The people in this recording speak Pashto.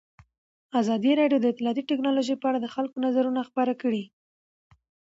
ازادي راډیو د اطلاعاتی تکنالوژي په اړه د خلکو نظرونه خپاره کړي.